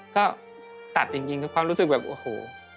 ก็ตัดจริงคือความรู้สึกแบบโอ้โห